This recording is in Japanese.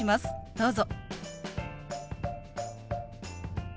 どうぞ。